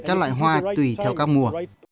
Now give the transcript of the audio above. các loại hoa tùy theo các mùa